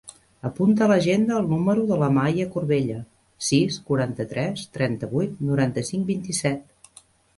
Apunta a l'agenda el número de l'Amaya Corbella: sis, quaranta-tres, trenta-vuit, noranta-cinc, vint-i-set.